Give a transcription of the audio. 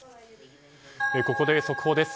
ここで速報です。